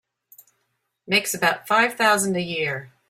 Makes about five thousand a year.